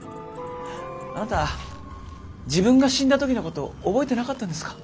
あなた自分が死んだ時のこと覚えてなかったんですか？